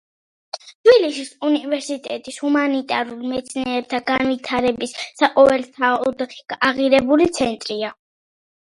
თბილისის უნივერსიტეტი ჰუმანიტარულ მეცნიერებათა განვითარების საყოველთაოდ აღიარებული ცენტრია.